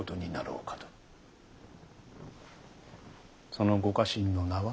そのご家臣の名は？